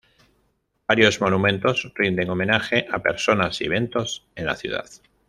Varios monumentos rinden homenaje a personas y eventos en la ciudad.